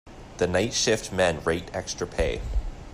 The night shift men rate extra pay.